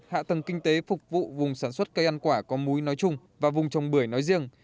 hạ tầng kinh tế phục vụ vùng sản xuất cây ăn quả có múi nói chung và vùng trồng bưởi nói riêng